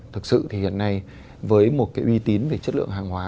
thực sự thì hiện nay với một cái uy tín về chất lượng hàng hóa